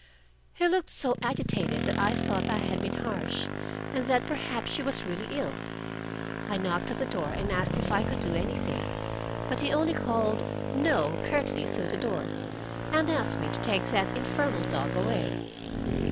He looked so agitated that I thought I had been harsh, and that perhaps she was really ill. I knocked at the door, and asked if I could do anything. But he only called "No" curtly through the door, and asked me to take that infernal dog away.